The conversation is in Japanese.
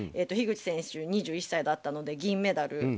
樋口選手、２１歳なので銀メダル。